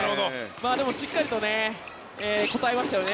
でもしっかりと応えましたよね